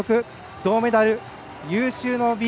銅メダル、有終の美。